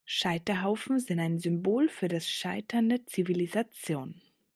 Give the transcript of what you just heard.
Scheiterhaufen sind ein Symbol für das Scheitern der Zivilisation.